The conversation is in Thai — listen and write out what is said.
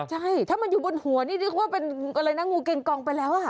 ใช่ถ้ามันอยู่บนหัวนี่นึกว่าเป็นอะไรนะงูเกงกองไปแล้วอ่ะ